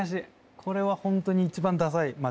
これは本当に一番ダサい間違え方。